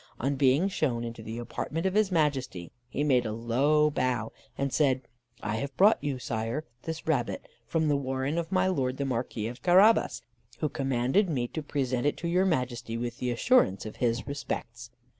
On being shown into the apartment of his Majesty, he made a low bow, and said: "I have brought you, Sire, this rabbit from the warren of my Lord the Marquis of Carabas, who commanded me to present it to your Majesty, with the assurance of his respects."